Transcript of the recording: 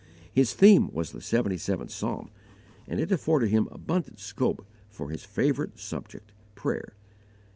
His theme was the seventy seventh psalm, and it afforded him abundant scope for his favourite subject prayer.